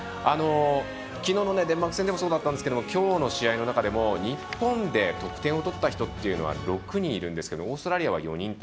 きのうのデンマーク戦でもそうだったんですけどきょうの試合の中でも日本で得点を取った人というのは６人いるんですがオーストラリアは４人。